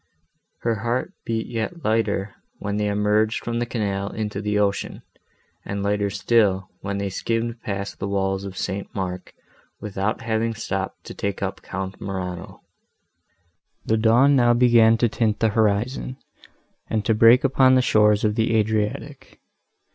Her heart beat yet lighter, when they emerged from the canal into the ocean, and lighter still, when they skimmed past the walls of St. Mark, without having stopped to take up Count Morano. The dawn now began to tint the horizon, and to break upon the shores of the Adriatic.